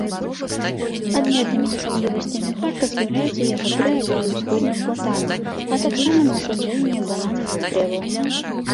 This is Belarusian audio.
Адметнымі асаблівасцямі парка з'яўляюцца яго тры алеі ўсходніх платанаў, а таксама насаджэнні бананавых дрэваў.